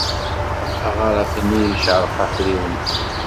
Agaref-nni icerreq afriwen-nnes.